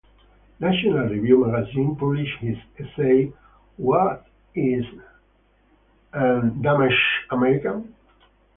"National Review" magazine published his essay "What Is An American?